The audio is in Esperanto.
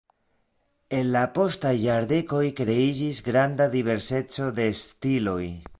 En la postaj jardekoj kreiĝis granda diverseco de stiloj.